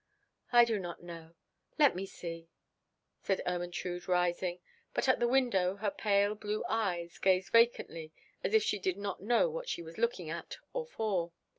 "I do not know. Let me see," said Ermentrude, rising; but at the window her pale blue eyes gazed vacantly as if she did not know what she was looking at or for.